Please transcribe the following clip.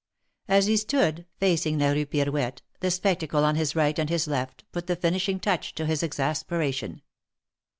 As he stood facing la Rue Pirouette, the spectacle on his right and his left, put the finishing touch to his exasperation.